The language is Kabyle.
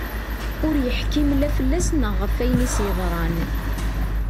Ur yeḥkim la fell-as neɣ ɣef wayen i as-yeḍran.